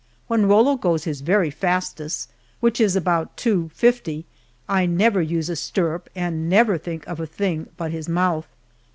When Rollo goes his very fastest, which is about 2:50, I never use a stirrup and never think of a thing but his mouth!